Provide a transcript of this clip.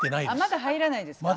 まだ入らないです。